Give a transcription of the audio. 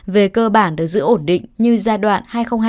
về cơ bản được giữ ổn định như giai đoạn hai nghìn hai mươi hai nghìn hai mươi ba